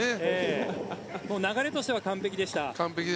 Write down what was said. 流れとしては完璧でした。